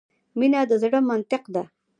مینه د زړه منطق ده .